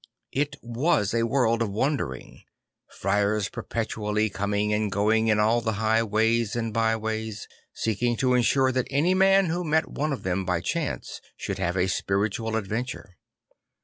It \vas a world of wandering; friars per petually coming and going in all the highways and byways, seeking to ensure that any man who met one of them by chance should have a spiritual adventure.